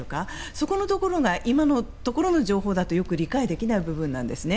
そこのところが今のところの情報だとよく理解できない部分なんですね。